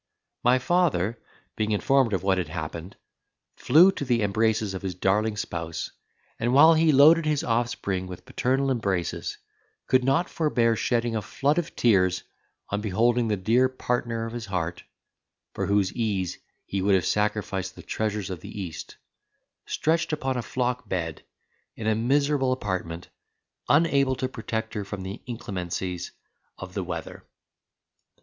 My father, being informed of what had happened, flew to the embraces of his darling spouse, and while he loaded his offspring with paternal embraces, could not forbear shedding a flood of tears on beholding the dear partner of his heart (for whose ease he would have sacrificed the treasures of the east) stretched upon a flock bed, in a miserable apartment, unable to protect her from the inclemencies of the weather.